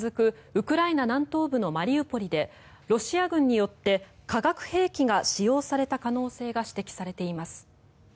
ウクライナ南東部のマリウポリでロシア軍によって化学兵器が使用された可能性が指摘されています。